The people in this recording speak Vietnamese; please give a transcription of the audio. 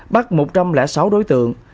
bắt một trăm linh sáu đối tượng